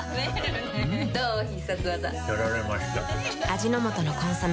味の素の「コンソメ」